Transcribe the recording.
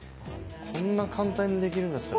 こんな簡単にできるんだったら。